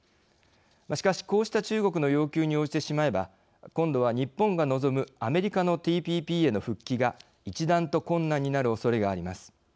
しかしこうした中国の要求に応じてしまえば今度は日本が望むアメリカのＴＰＰへの復帰が一段と困難になるおそれがあります。